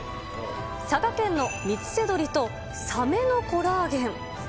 佐賀県のみつせ鶏とサメのコラーゲン。